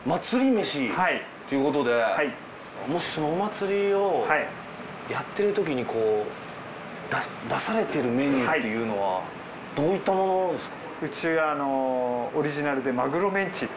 めしっていうことでもしお祭りをやってるときに出されてるメニューっていうのはどういったものですか？